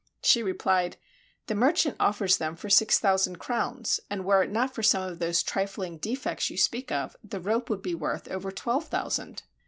She replied: "The merchant offers them for six thousand crowns; and were it not for some of those trifling defects you speak of, the rope would be worth over twelve thousand."